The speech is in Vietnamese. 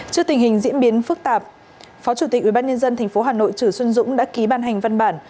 trước tình hình diễn biến phức tạp phó chủ tịch ubnd tp hà nội trừ xuân dũng đã ký ban hành văn bản